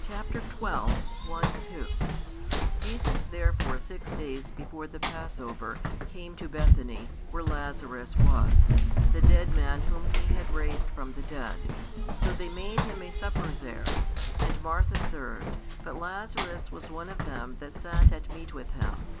Chap. xii. 1, 2. Jesus therefore six days before the passover came to Bethany, where Lazarus was, the dead man whom He had raised from the dead. So they made Him a supper there: and Martha served; but Lazarus was one of them that sat at meat with Him.